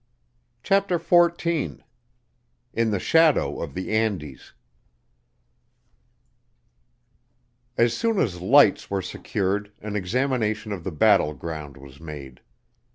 CHAPTER XIV In the Shadow of the Andes As soon as lights were secured an examination of the battle ground was made.